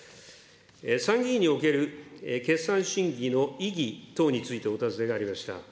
参議院における決算審議の意義等についてお尋ねがありました。